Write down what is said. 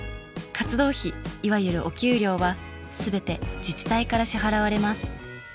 活動費いわゆるお給料は全て自治体から支払われます。